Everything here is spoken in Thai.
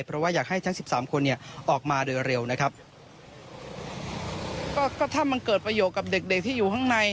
เพราะว่าอยากให้ทั้งสิบสามคนเนี่ยออกมาโดยเร็วนะครับก็ก็ถ้ามันเกิดประโยชน์กับเด็กเด็กที่อยู่ข้างใน